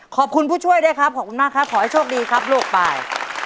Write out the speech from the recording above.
ผู้ช่วยด้วยครับขอบคุณมากครับขอให้โชคดีครับลูกปลาย